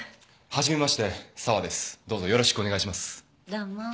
どうも。